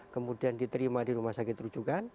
kemudian diterima di rumah sakit rujukan